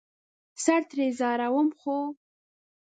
سر ترې ځاروم ،خو